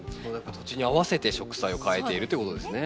土地に合わせて植栽をかえているということですね。